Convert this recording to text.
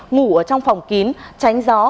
ngủ trong phòng kín tránh gió